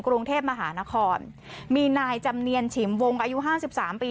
กรุงเทพมหานครมีนายจำเนียนฉิมวงอายุห้าสิบสามปี